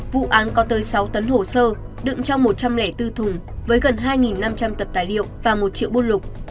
vụ án có tới sáu tấn hồ sơ đựng trong một trăm linh bốn thùng với gần hai năm trăm linh tập tài liệu và một triệu bôn lục